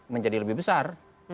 menjadi lebih besar